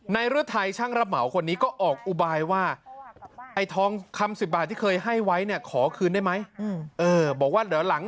นายฤทัยช่างรับเหมาคนนี้ก็ออกอุบายว่าไอ้ทองคำ๑๐บาทที่เคยให้ไว้เนี่ยขอคืนได้ไหม